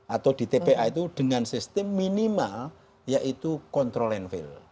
atau di tpa itu dengan sistem minimal yaitu control landfill